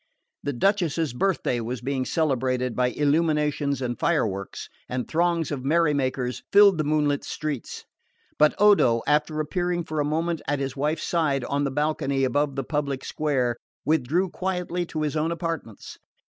The Duchess's birthday was being celebrated by illuminations and fireworks, and throngs of merry makers filled the moonlit streets; but Odo, after appearing for a moment at his wife's side on the balcony above the public square, withdrew quietly to his own apartments.